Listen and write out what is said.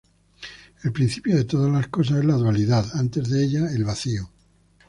El principio de todas las cosas es la dualidad, antes de ella: el vacío.